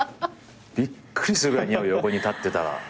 びっくりするぐらい似合う横に立ってたら。